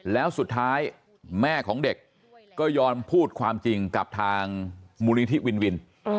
แล้วสุดท้ายแม่ของเด็กก็ยอมพูดความจริงกับทางมูลนิธิวินวิน